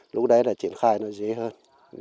lúc đấy là triển khai nó dễ hơn